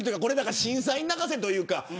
審査員泣かせというか